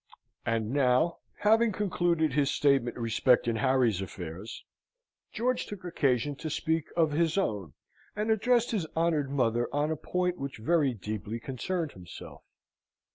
And now, having concluded his statement respecting Harry's affairs, George took occasion to speak of his own, and addressed his honoured mother on a point which very deeply concerned himself.